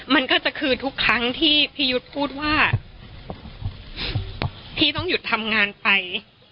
มันก็จะคือทุกครั้งที่พี่ยุทธ์พูดว่าพี่ต้องหยุดทำงานไป